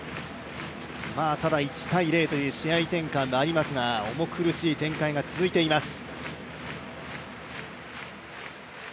ただ１−０という試合展開がありますが重苦しい展開が続いています。